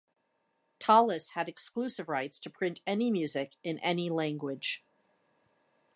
Tallis had exclusive rights to print any music, in any language.